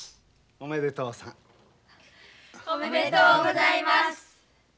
おめでとうございます。